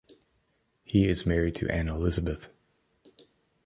He is married to Anne Elizabeth.